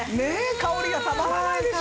香りがたまらないでしょ？